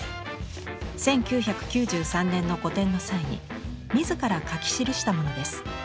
１９９３年の個展の際に自ら書き記したものです。